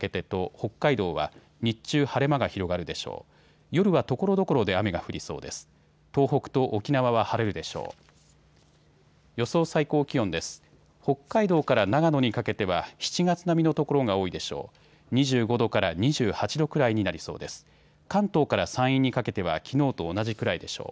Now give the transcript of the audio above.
北海道から長野にかけては７月並みの所が多いでしょう。